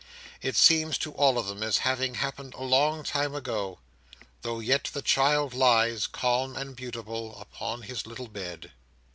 It seems to all of them as having happened a long time ago; though yet the child lies, calm and beautiful, upon his little bed.